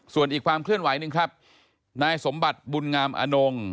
ส่วนอีกความเคลื่อนไหวหนึ่งครับนายสมบัติบุญงามอนง